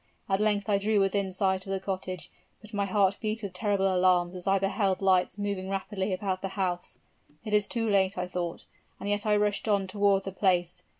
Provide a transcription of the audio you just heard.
At length I drew within sight of the cottage; but my heart beat with terrible alarms as I beheld lights moving rapidly about the house. 'It is too late,' I thought: and yet I rushed on toward the place.